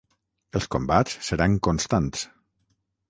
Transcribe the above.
Els combats seran constants.